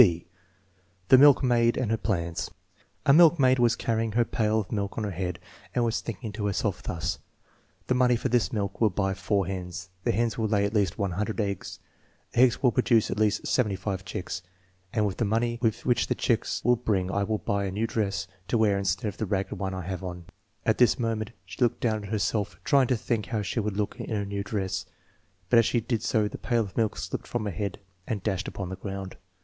(V) The Milkmaid and her Plans A milkmaid was carrying her pail of milk on her head, and was thinking to herself thus: " The money for this milk will buy 4 hens; the hens will lay at least' 100 eggs; the eggs will produce at least 75 chicks; and with the money which the chicks will bring I can buy a new dress to wear instead of the ragged one I have on" At this moment she looked down at herself, trying to think how she would look in her new dress; but as she did so the pail of milk slipped from her head and dashed upon the ground.